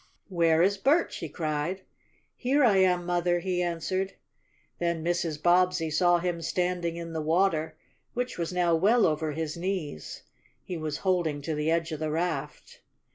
"Where is Bert?" she cried. "Here I am, Mother!" he answered. Then Mrs. Bobbsey saw him standing in the water, which was now well over his knees. He was holding to the edge of the raft.